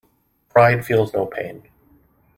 Pride feels no pain.